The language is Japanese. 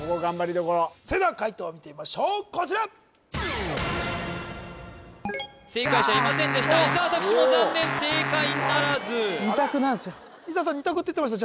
それでは解答を見てみましょうこちら正解者いませんでした伊沢拓司も残念正解ならず伊沢さん２択って言ってました